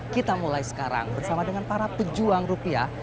kita mulai sekarang bersama dengan para pejuang rupiah